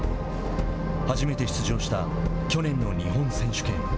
初めて出場した去年の日本選手権。